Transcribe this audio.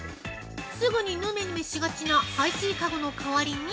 すぐにぬめぬめしがちな、排水かごのかわりに。